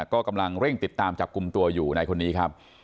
ก็กำลังเร่งติดตามจับกลุ่มตัวอยู่ในคนนี้ครับ